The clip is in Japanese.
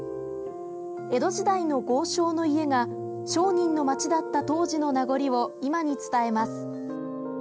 江戸時代の豪商の家が商人の町だった当時の名残を今に伝えます。